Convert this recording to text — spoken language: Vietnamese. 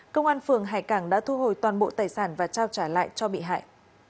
công an phường hải cảng đã thu hồi toàn bộ tài sản và trao trả lại cho bị hại